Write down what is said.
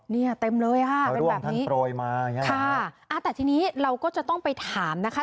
นี่เต็มเลยค่ะเป็นแบบนี้ค่ะแต่ทีนี้เราก็จะต้องไปถามนะคะ